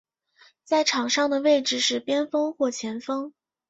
在场上的位置是边锋或前锋。